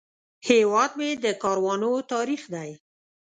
هیواد مې د کاروانو تاریخ دی